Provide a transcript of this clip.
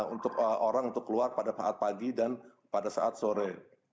untuk orang untuk keluar pada saat pagi dan pada saat sore